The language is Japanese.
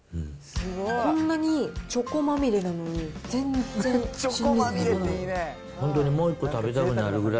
こんなにチョコまみれなのに、全然しつこくない。